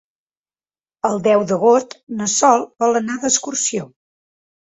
El deu d'agost na Sol vol anar d'excursió.